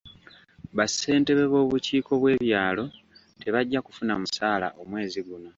Bassentebe b'obukiiko bw'ebyalo tebajja kufuna musaala omwezi guno.